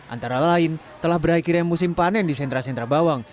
antara lain telah berakhirnya musim panen di sentra sentra bawang